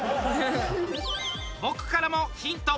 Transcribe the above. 僕からもヒント！